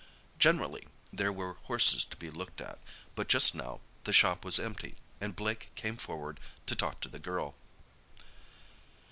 Generally there were horses to be looked at, but just now the shop was empty, and Blake came forward to talk to the girl.